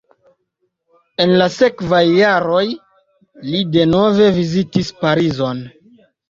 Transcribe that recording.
En la sekvaj jaroj li denove vizitis Parizon.